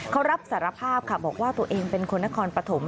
เขารับสารภาพค่ะบอกว่าตัวเองเป็นคนนครปฐม